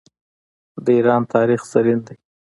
د ایران تاریخ زرین دی.